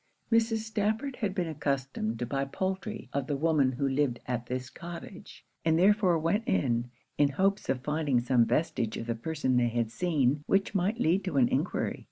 Mrs. Stafford had been accustomed to buy poultry of the woman who lived at this cottage, and therefore went in, in hopes of finding some vestige of the person they had seen, which might lead to an enquiry.